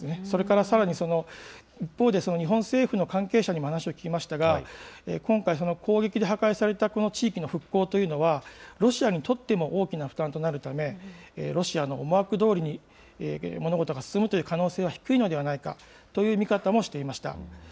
それからさらに、一方で日本政府の関係者にも話を聞きましたが、今回、その攻撃で破壊されたこの地域の復興というのは、ロシアにとっても大きな負担となるため、ロシアの思惑どおりに物事が進むという可能性は低いのではないかという見方もしていました。